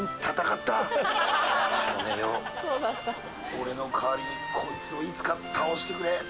俺の代わりにこいつをいつか倒してくれ！